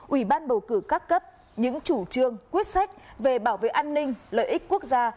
ủy ban bầu cử các cấp những chủ trương quyết sách về bảo vệ an ninh lợi ích quốc gia